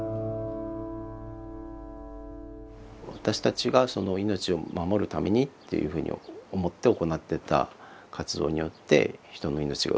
私たちが命を守るためにっていうふうに思って行ってた活動によって人の命が奪われた。